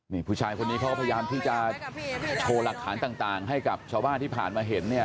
นี่ผู้ชายคนนี้เขาก็พยายามที่จะโชว์หลักฐานต่างให้กับชาวบ้านที่ผ่านมาเห็นเนี่ย